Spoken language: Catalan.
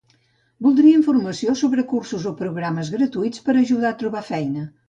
Voldria informació sobre cursos o programes gratuïts per ajudar a trobar feina.